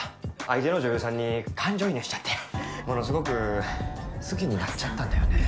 相手の女優さんに感情移入しちゃってものすごく好きになっちゃったんだよね。